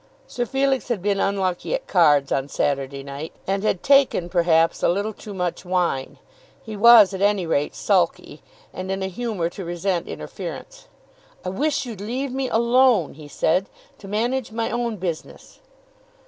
Sir Felix had been unlucky at cards on Saturday night, and had taken, perhaps, a little too much wine. He was at any rate sulky, and in a humour to resent interference. "I wish you'd leave me alone," he said, "to manage my own business."